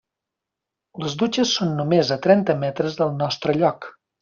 Les dutxes són només a trenta metres del nostre lloc.